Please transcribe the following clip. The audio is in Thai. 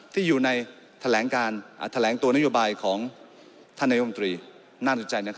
ที่อยู่ในแถลงตัวนโยบายของท่านนายกรุงตรี